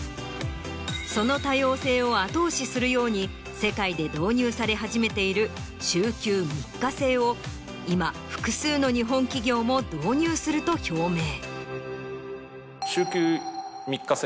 その多様性を後押しするように世界で導入され始めている週休３日制を今複数の日本企業も導入すると表明。